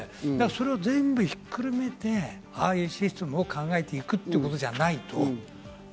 それを全部ひっくるめてああいうシステムを考えていくということじゃないと。